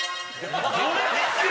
これですよ？